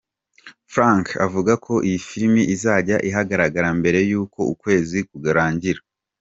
Frank avuga ko iyi Film izajya ahagaragara mbere y’uko uku kwezi kurangira.